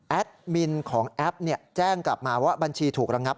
แอดมินของแอดมินแอดแจ้งกลับมาว่าบัญชีถูกระงับ